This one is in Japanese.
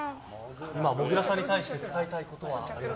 今、もぐらさんに対して伝えたいことは？